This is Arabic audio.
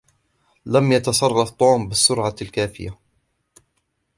لم يتصرف توم بالسرعة الكافية.